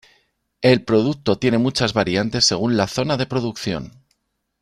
El producto tiene muchas variantes según la zona de producción.